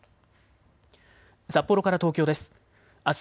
札幌から東京です。